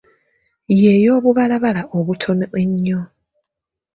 Ye y'obubalabala obutono ennyo.